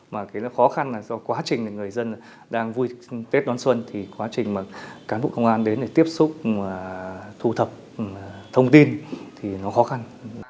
mà cái khó khăn là do quá trình người dân đang vui tết đón xuân thì quá trình mà cán bộ công an đến để tiếp xúc thu thập thông tin thì nó khó khăn